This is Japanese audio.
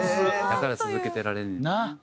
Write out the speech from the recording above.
だから続けていられるねんな。